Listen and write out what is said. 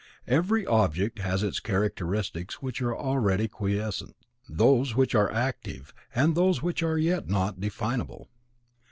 Every object has its characteristics which are already quiescent, those which are active, and those which are not yet definable.